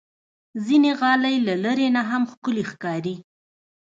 ځینې غالۍ له لرې نه هم ښکلي ښکاري.